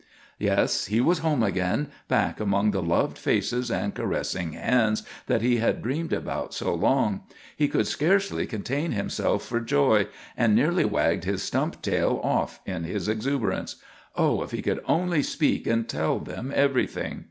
Yes, he was home again, back among the loved faces and caressing hands that he had dreamed about so long. He could hardly contain himself for joy and nearly wagged his stump tail off in his exuberance. Oh, if he could only speak and tell them everything!